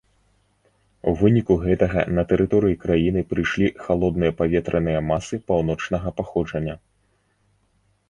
У выніку гэтага на тэрыторыю краіны прыйшлі халодныя паветраныя масы паўночнага паходжання.